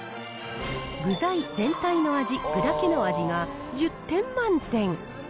具材、全体の味、具だけの味が１０点満点。